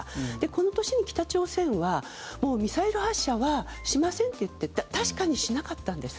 この年に北朝鮮はもうミサイル発射はしませんと言って確かに、しなかったんです。